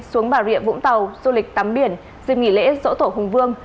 xuống bà rịa vũng tàu du lịch tắm biển dịp nghỉ lễ dỗ tổ hùng vương